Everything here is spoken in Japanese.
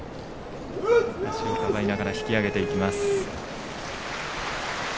足をかばいながら引き揚げていきます。